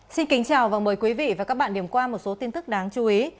xin kính chào và mời quý vị và các bạn điểm qua một số tin tức đáng chú ý